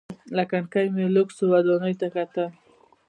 له کړکۍ مې لوکسو ودانیو ته کتل.